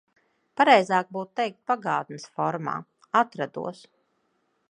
Pareizāk būtu teikt pagātnes formā – atrados.